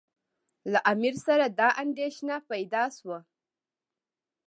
له امیر سره دا اندېښنه پیدا شوه.